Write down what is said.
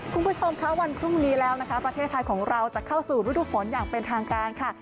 คุณผู้ชมค่ะวันพรุ่งนี้แล้วนะคะประเทศไทยของเราจะเข้าสู่ฤดูฝนอย่างเป็นทางการค่ะ